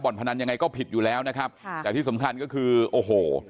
พนันยังไงก็ผิดอยู่แล้วนะครับค่ะแต่ที่สำคัญก็คือโอ้โห